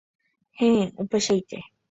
Héẽ, upeichaite.